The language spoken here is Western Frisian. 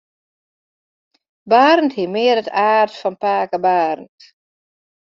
Barend hie mear it aard fan pake Barend.